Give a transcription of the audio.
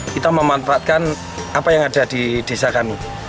kita memanfaatkan apa yang ada di desa kami